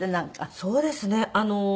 そうですね。